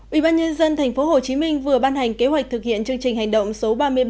ủy ban nhân dân tp hcm vừa ban hành kế hoạch thực hiện chương trình hành động số ba mươi ba